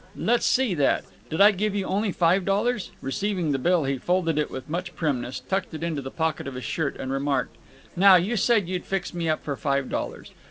"Let's see that. Did I give you only five dollars?" Receiving the bill, he folded it with much primness, tucked it into the pocket of his shirt, and remarked: "Now, you said you'd fix me up for five dollars.